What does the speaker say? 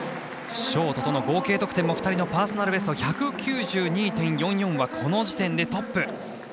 ショートとの合計得点も２人のパーソナルベスト１９２．４４はこの時点でトップ。